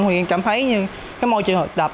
thì em cảm thấy như cái môi trường hợp tập